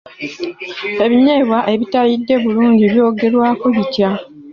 Ebinyeebwa ebitayidde bulungi byogerwako bitya?